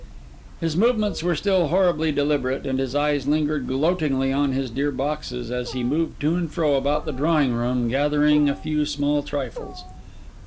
His movements were still horribly deliberate, and his eyes lingered gloatingly on his dear boxes, as he moved to and fro about the drawing room, gathering a few small trifles.